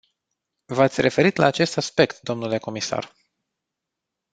V-ați referit la acest aspect, dle comisar.